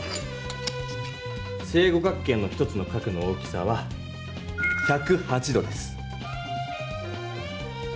正五角形の１つの角の大きさは１０８度です。